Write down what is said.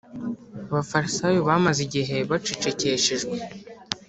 abafarisayo bamaze igihe bacecekeshejwe